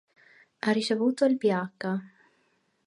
Ha ricevuto il Ph.